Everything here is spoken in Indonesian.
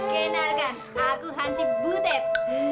kenalkan aku hansip butet